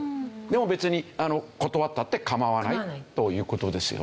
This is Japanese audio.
でも別に断ったって構わないという事ですよね。